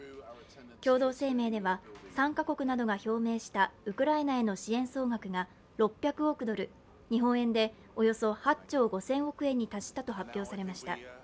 共同声明では参加国などが表明したウクライナへの支援総額が６００億ドル、日本円でおよそ８兆５０００億円に達したと発表されました。